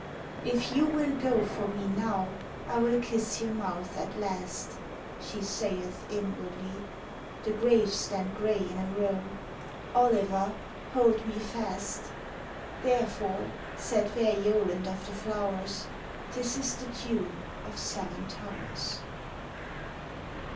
_ If you will go for me now, I will kiss your mouth at last; [She sayeth inwardly.] (The graves stand grey in a row.) Oliver, hold me fast! _Therefore, said fair Yoland of the flowers, This is the tune of Seven Towers.